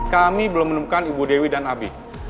kami belum menemukan ibu dewi dan abi